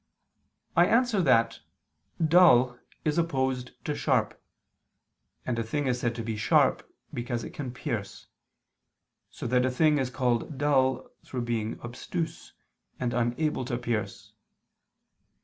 I answer that, Dull is opposed to sharp: and a thing is said to be sharp because it can pierce; so that a thing is called dull through being obtuse and unable to pierce.